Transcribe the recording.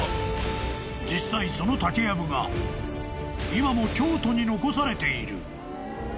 ［実際その竹やぶが今も京都に残されている］